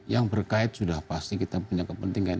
yang berkait sudah pasti kita punya kepentingan